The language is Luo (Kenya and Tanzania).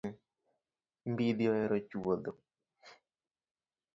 Mbidhi oero chuodho .